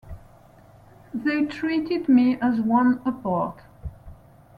They treated me as one apart.